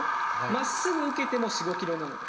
まっすぐ受けても４５ｋｇなので。